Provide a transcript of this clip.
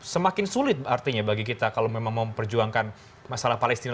semakin sulit artinya bagi kita kalau memang mau memperjuangkan masalah palestina